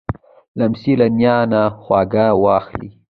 لمسی له نیا نه خواږه واخلې.